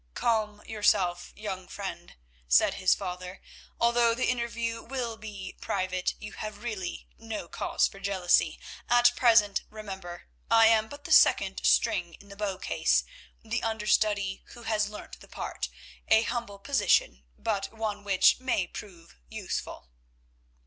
"Calm yourself, young friend," said his father, "although the interview will be private, you have really no cause for jealousy. At present, remember, I am but the second string in the bow case, the understudy who has learnt the part, a humble position, but one which may prove useful."